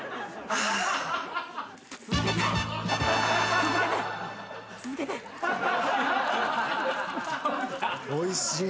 あおいしい！